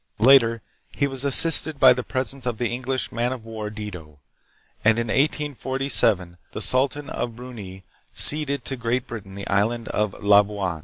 Later he was assisted by the presence of the English man of war " Dido," and in 1847 the sultan of Brunei ceded to Great Britain the island of Labuan.